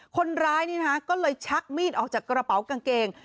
คนร้ายก็เลยชักมีดออกจากกระเป๋ากางเกง